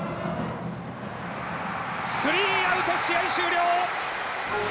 スリーアウト試合終了！